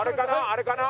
あれかな？